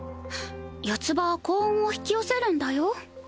四つ葉は幸運を引き寄せるんだよ